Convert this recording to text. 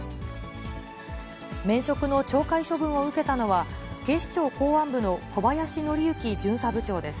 免職の懲戒処分を受けたのは、警視庁公安部の小林徳之巡査部長です。